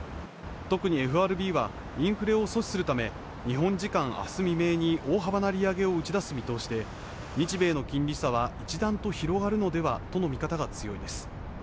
特にＦＲＢはインフレを阻止するため日本時間あす未明に大幅な利上げを打ち出す見通しで日米の金利差は一段と広がるのではとの見方が強いです